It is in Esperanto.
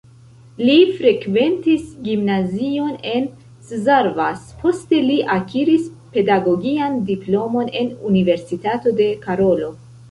Li frekventis gimnazion en Szarvas, poste li akiris pedagogian diplomon en Universitato de Karolo.